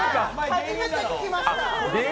初めて聞きました。